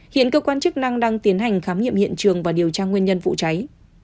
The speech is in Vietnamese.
hiện cơ quan chức năng đang tiến hành khám nghiệm hiện trường và điều tra nguyên nhân vụ cháy